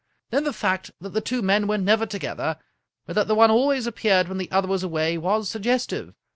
Then the fact that the two men were never together, but that the one always appeared when the other was away, was suggestive.